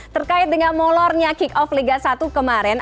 terkait dengan molornya kick off liga satu kemarin